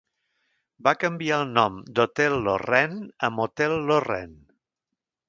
Va canviar el nom d'Hotel Lorraine a Motel Lorraine.